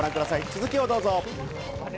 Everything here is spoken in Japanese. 続きを、どうぞ。